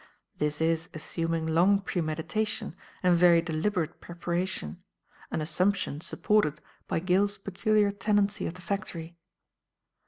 This is assuming long premeditation and very deliberate preparation; an assumption supported by Gill's peculiar tenancy of the factory.